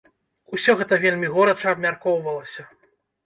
Усё гэта вельмі горача абмяркоўвалася.